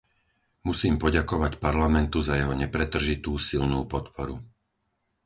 Musím poďakovať Parlamentu za jeho nepretržitú silnú podporu.